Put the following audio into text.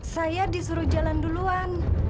saya disuruh jalan duluan